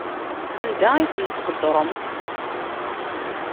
Anda ay ten-tqeddremt?